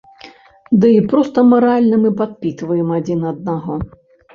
Ды і проста маральна мы падпітваем адзін аднаго.